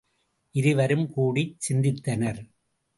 இருவரும் கூடிச் சிந்தித்தனர்.